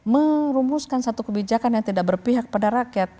merumuskan satu kebijakan yang tidak berpihak pada rakyat